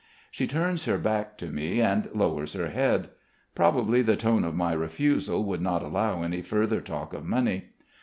She turns her back to me and lowers her head. Probably the tone of my refusal would not allow any further talk of money.